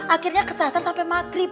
akhirnya kesasar sampe maghrib